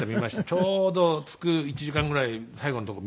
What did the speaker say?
ちょうど着く１時間ぐらい最後のところ見れましてね。